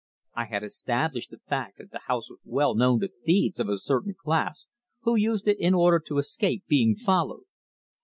I had established the fact that the house was well known to thieves of a certain class who used it in order to escape being followed.